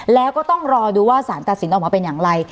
แล้วก็ต้องรอดูว่าสารตัดสินออกมาเป็นอย่างไร